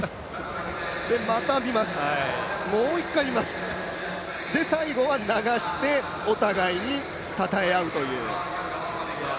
また見ます、もう１回見ます、最後は流してお互いにたたえ合うという。